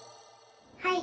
はい！